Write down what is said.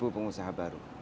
sepuluh pengusaha baru